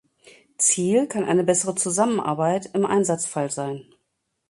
Ziel kann eine bessere Zusammenarbeit im Einsatzfall sein.